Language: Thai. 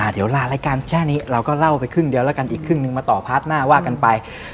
เดี๋ยวลารายการแค่นี้เราก็เล่าไปครึ่งเดียวแล้วกันอีกครึ่งนึงมาต่อพาร์ทหน้าว่ากันไป